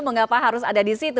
mengapa harus ada di situ